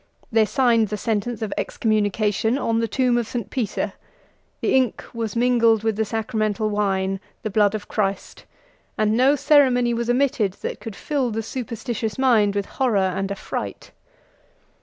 they signed the sentence of excommunication on the tomb of St. Peter; the ink was mingled with the sacramental wine, the blood of Christ; and no ceremony was omitted that could fill the superstitious mind with horror and affright.